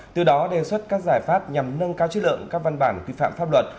từ đó đề xuất các giải pháp nhằm nâng cao chất lượng các văn bản quy phạm pháp luật